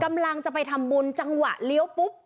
กำลังจะไปทำบุญจังหวะเลี้ยวปุ๊บ